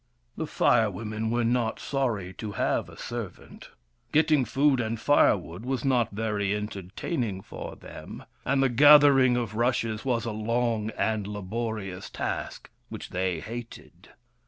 The Fire Women were not sorry to have a ser vant. Getting food and firewood was not very entertaining for them, and the gathering of rushes was a long and laborious task, which they hated.